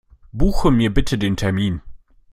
Buche mir bitten den Termin.